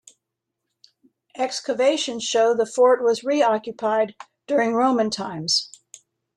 Excavations show the fort was re-occupied during Roman times.